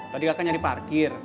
tadi kakak nyari parkir